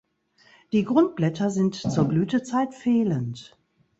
Die Grundblätter sind zur Blütezeit fehlend.